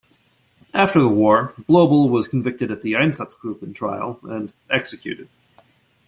After the war, Blobel was convicted at the Einsatzgruppen Trial and executed.